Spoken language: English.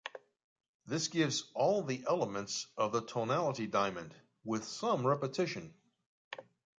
This gives all the elements of the tonality diamond, with some repetition.